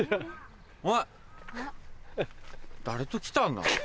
お前誰と来たんだ。